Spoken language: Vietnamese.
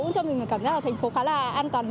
cho mình cảm giác là thành phố khá là an toàn